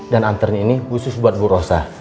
dan anternya ini khusus buat bu rosa